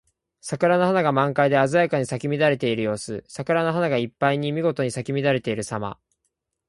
桜の花が満開で鮮やかに咲き乱れている様子。桜の花がいっぱいにみごとに咲き乱れているさま。